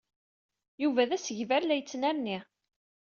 Yuba d asegbar la yettnernin.